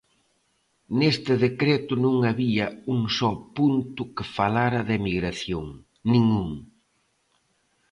Nese decreto non había un só punto que falara de emigración, nin un.